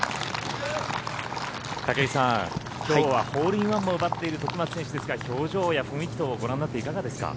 武井さん、きょうはホールインワンも奪っている時松選手ですが表情や雰囲気等ご覧になっていかがですか？